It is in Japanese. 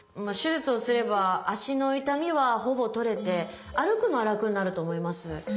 手術をすれば脚の痛みはほぼ取れて歩くのは楽になると思います。